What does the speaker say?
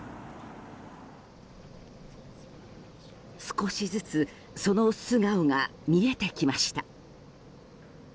少しずつその素顔が見えてきました。